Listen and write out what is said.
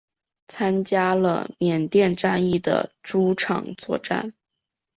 参加了缅甸战役的诸场作战。